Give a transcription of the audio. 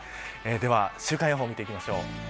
では週間予報を見ていきましょう。